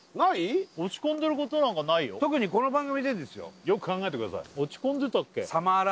落ち込んでることなんかないよよく考えてください落ち込んでたっけ？